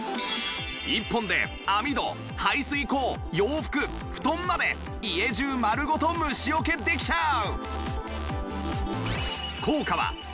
１本で網戸排水口洋服布団まで家中まるごと虫よけできちゃう